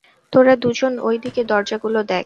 তোরা দুজন, ওই দিকের দরজা গুলো দেখ।